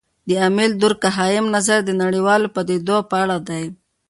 د امیل دورکهايم نظر د نړیوالو پدیدو په اړه دی.